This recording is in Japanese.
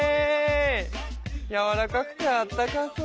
やわらかくてあったかそう。